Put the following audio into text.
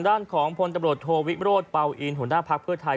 ด้านของพลตมโธวิลโหยีมรดปาวอีนหัวหน้าพักเพื่อไทย